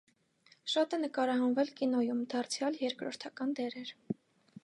Շատ է նկարահանվել կինոյում՝ դարձյալ երկրորդական դերեր։